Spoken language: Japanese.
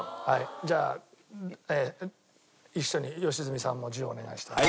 じゃあええ一緒に良純さんも１０お願いしたいなと。